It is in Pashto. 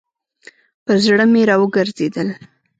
پر زړه مي راوګرځېدل .